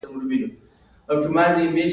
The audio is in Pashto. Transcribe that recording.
په دې دوره کې انسانان مجبور وو.